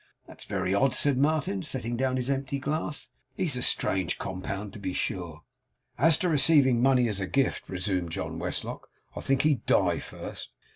'That's very odd,' said Martin, setting down his empty glass. 'He's a strange compound, to be sure.' 'As to receiving money as a gift,' resumed John Westlock; 'I think he'd die first.